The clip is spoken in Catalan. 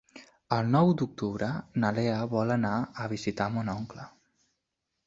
El nou d'octubre na Lea vol anar a visitar mon oncle.